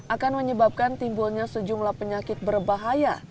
akan menyebabkan timbulnya sejumlah penyakit berbahaya